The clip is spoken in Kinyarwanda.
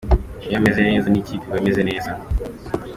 Iyo ameze neza n’ikipe iba imeze neza.